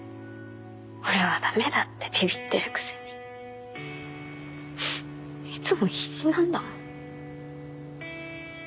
俺は駄目だってビビってるくせにいつも必死なんだもん。